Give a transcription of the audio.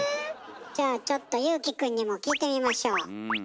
じゃあちょっと祐貴くんにも聞いてみましょう。